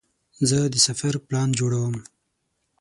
زه د سفر پلان جوړوم.